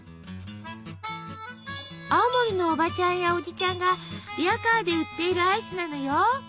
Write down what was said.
青森のおばちゃんやおじちゃんがリヤカーで売っているアイスなのよ。